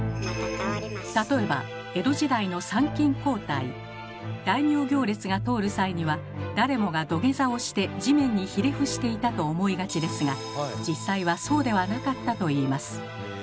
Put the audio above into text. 例えば江戸時代の参勤交代。大名行列が通る際には誰もが土下座をして地面にひれ伏していたと思いがちですが実際はそうではなかったといいます。